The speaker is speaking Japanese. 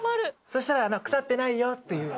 そしたら「腐ってないよ」っていう。